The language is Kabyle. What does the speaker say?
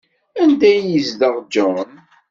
Anda ay yezdeɣ John?